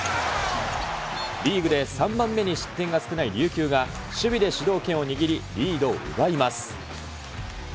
リーグで３番目に失点が少ない琉球が、守備で主導権を握り、リードを奪います。